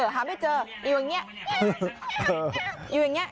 หาไม่เจออยู่อย่างนี้อยู่อย่างนี้